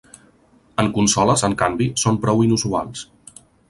En consoles, en canvi, són prou inusuals.